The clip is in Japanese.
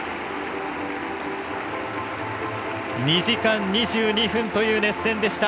２時間２２分という熱戦でした。